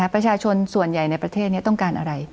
ประชาชนส่วนใหญ่ในประเทศนี้ต้องการอะไร